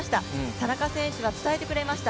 田中選手は伝えてくれました。